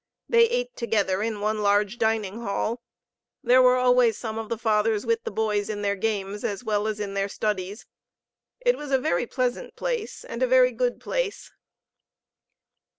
They ate together in one large dining hall. There were always some of the Fathers with the boys in their games, as well as in their studies. It was a very pleasant place, and a very good place.